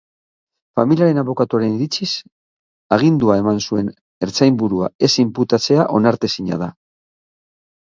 Familiaren abokatuaren iritziz, agindua eman zuen ertzainburua ez inputatzea onartezina da.